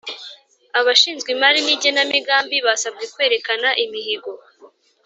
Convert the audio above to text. Abashizwe imari n' genamigambi basabwe kwerekana imihigo